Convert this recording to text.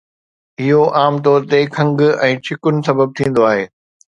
اهو عام طور تي کنگهه ۽ ڇڪڻ سبب ٿيندو آهي